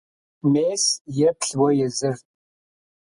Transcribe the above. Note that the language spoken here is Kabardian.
Мес, еплъ уэ езыр!